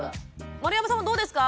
丸山さんもどうですか？